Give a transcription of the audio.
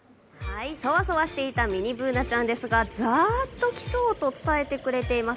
そわそわしていたミニＢｏｏｎａちゃんですがザァーッと来そうと教えてくれています。